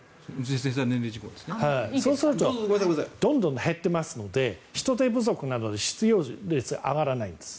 そうするとどんどん減っていますので人手不足なので失業率が上がらないんです。